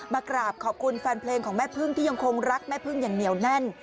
มากราบขอบคุณแฟนเพลงของแม่พึ่งที่ยังคงรักแม่พึ่งอย่างเหนียวแน่น